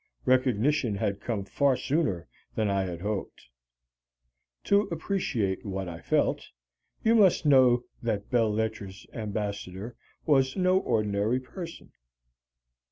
Recognition had come far sooner than I had hoped. To appreciate what I felt, you must know that Belles Lettres' ambassador was no ordinary person.